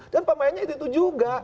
dan pemainnya itu juga